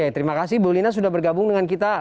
terima kasih bu lina sudah bergabung dengan kita